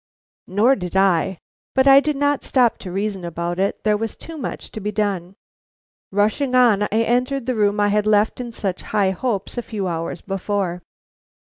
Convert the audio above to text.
Nor did I. But I did not stop to reason about it; there was too much to be done. Rushing on, I entered the room I had left in such high hopes a few hours before.